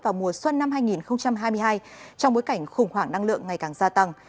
vào mùa xuân năm hai nghìn hai mươi hai trong bối cảnh khủng hoảng năng lượng ngày càng gia tăng